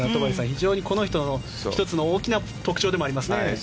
非常にこの人の１つの大きな特徴でもありますね。